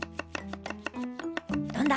どんだ？